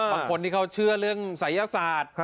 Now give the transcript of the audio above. บางคนที่เขาเชื่อเรื่องศัยศาสตร์